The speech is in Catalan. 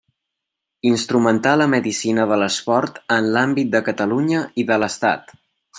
Instrumentà la medicina de l’esport en l’àmbit de Catalunya i de l’Estat.